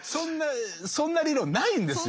そんな理論ないんですよ。